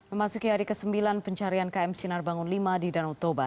memasuki hari ke sembilan pencarian km sinar bangun v di danau toba